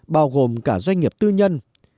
bao gồm cả doanh nghiệp tư nhân